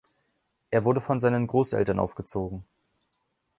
Er wurde von seinen Großeltern aufgezogen.